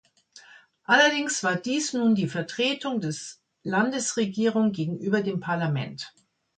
Allerdings war dies nun die Vertretung des Landesregierung gegenüber dem Parlament.